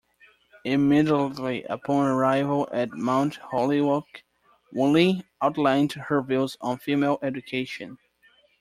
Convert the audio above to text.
Immediately upon arrival at Mount Holyoke, Woolley outlined her views on female education.